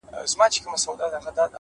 صداقت تل روښانه لاره مومي؛